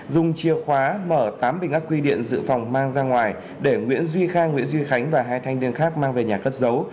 dùng chia khóa mở tám bình ác quy điện dự phòng mang ra ngoài để nguyễn duy khang nguyễn duy khánh và hai thanh niên khác mang về nhà cất giấu